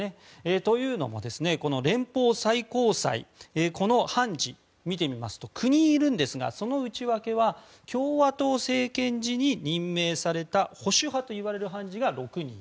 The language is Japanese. というのも、連邦最高裁の判事を見てみますと９人いるんですが、その内訳は共和党政権時に任命された保守派といわれる判事が６人。